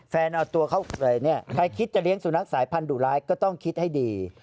แฟนเอาตัวเขาใครคิดจะเลี้ยงสุนัขสายพันธ์ดุร้ายก็ต้องคิดให้ดี